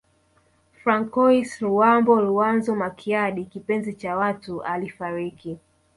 Francois Luambo Luanzo Makiadi kipenzi cha watu alifariki